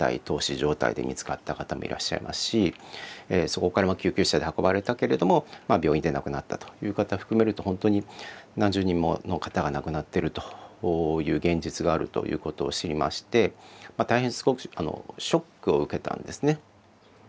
そこから救急車で運ばれたけれども病院で亡くなったという方を含めると本当に何十人もの方が亡くなってるという現実があるということを知りまして大変ショックを受けたんですね。